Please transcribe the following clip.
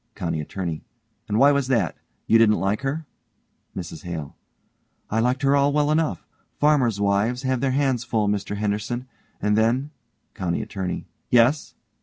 COUNTY ATTORNEY: And why was that? You didn't like her? MRS HALE: I liked her all well enough. Farmers' wives have their hands full, Mr Henderson. And then COUNTY ATTORNEY: Yes